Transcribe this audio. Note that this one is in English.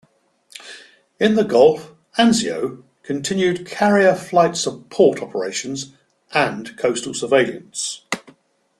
In the Gulf, "Anzio" continued carrier-flight support operations and coastal surveillance.